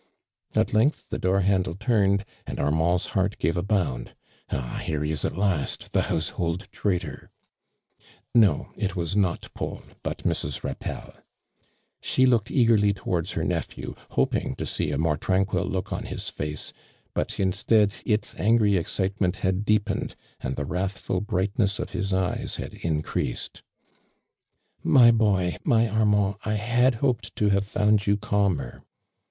At length the door handle turned, and Armand's heart gave a bound. " Ah, here he is at last, the household traitor !" No, it was not Paul but Mrs. Ratelle. She looked eagerly towards her nephevy, hoping to see a more tranquil look on his face, but instead, its angiy excitement had deepened, and the wrathful brightness of his eyes had increased. " My boy, my Amiand, I had hoped to have found you calmer